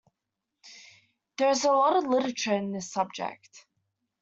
There is a lot of Literature on this subject.